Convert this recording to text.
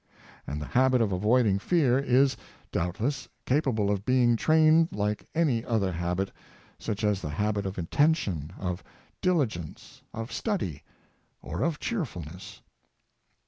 And the habit of avoiding fear is, doubtless, capable of being trained like any other habit, such as the habit of attention, of diligence, of study, or of cheerfulness.